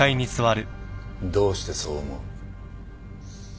どうしてそう思う？